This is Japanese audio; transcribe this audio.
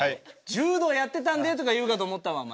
柔道やってたんでとか言うかと思ったわお前。